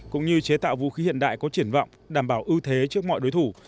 cũng như chế tạo vũ khí hiện đại có triển vọng đảm bảo ưu thế trước mọi đối thủ